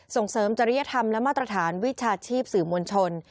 ส่งเสริมจริยธรรมและมาตรฐานวิชาชีพสื่อมวลชน